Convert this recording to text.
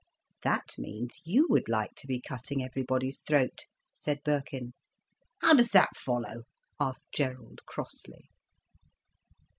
"That means you would like to be cutting everybody's throat," said Birkin. "How does that follow?" asked Gerald crossly.